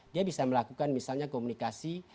dia bisa melakukan misalnya komunikasi